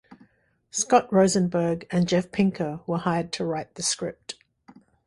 Scott Rosenberg and Jeff Pinker were hired to write the script.